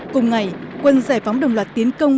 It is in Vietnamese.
cùng ngày quân giải phóng đồng loạt tiến công